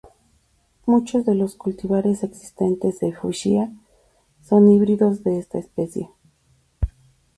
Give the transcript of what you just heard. Muchos de los cultivares existentes de "Fuchsia" son híbridos de esta especie.